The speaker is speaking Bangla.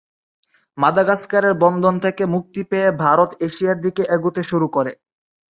মাদাগাস্কারের বন্ধন থেকে মুক্তি পেয়ে ভারত এশিয়ার দিকে এগোতে শুরু করে।